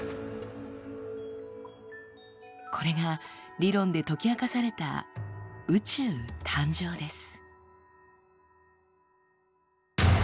これが理論で解き明かされた宇宙誕生です。